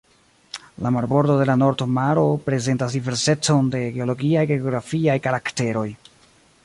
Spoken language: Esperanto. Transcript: La marbordo de la Nord Maro prezentas diversecon de geologiaj kaj geografiaj karakteroj.